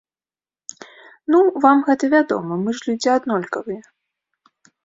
Ну, вам гэта вядома, мы ж людзі аднолькавыя.